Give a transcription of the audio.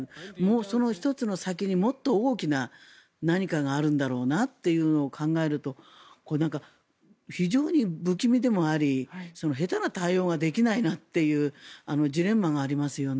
その１つの先にもっと大きな何かがあるんだろうなと考えると非常に不気味でもあり下手な対応ができないなというジレンマがありますよね。